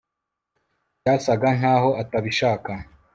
byasaga nkaho atabishaka